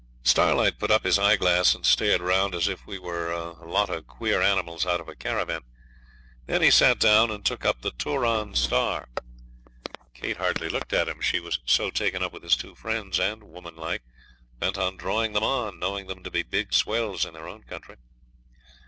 Starlight put up his eyeglass and stared round as if we were all a lot of queer animals out of a caravan. Then he sat down and took up the 'Turon Star'. Kate hardly looked at him, she was so taken up with his two friends, and, woman like, bent on drawing them on, knowing them to be big swells in their own country.